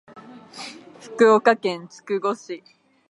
福岡県筑後市